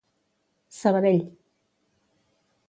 Sabadell.